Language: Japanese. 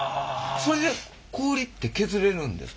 それで氷って削れるんですか？